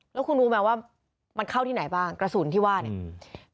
แล้วคุณรู้ไหมว่ามันเข้าที่ไหนบ้างกระสุนที่ว่าเนี่ยอืม